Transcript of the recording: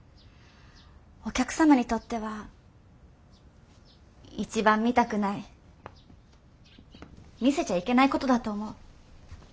お客様にとっては一番見たくない見せちゃいけないことだと思う。